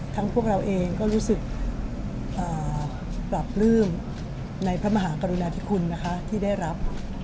พวกเราเองก็รู้สึกปราบปลื้มในพระมหากรุณาธิคุณนะคะที่ได้รับ